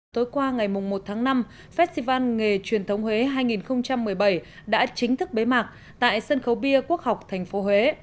tối qua ngày một tháng năm festival nghề truyền thống huế hai nghìn một mươi bảy đã chính thức bế mạc tại sân khấu bia quốc học tp huế